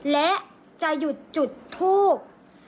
และจะหยุดจุดทูบ